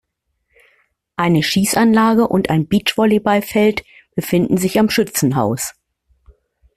Eine Schießanlage und ein Beach-Volleyball-Feld befinden sich am Schützenhaus.